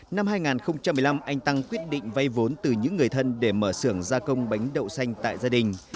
năm hai nghìn một mươi năm anh tăng quyết định vay vốn từ những người thân để mở xưởng gia công bánh đậu xanh tại gia đình